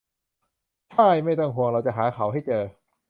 ช่าย ไม่ต้องห่วง เราจะหาเขาให้เจอ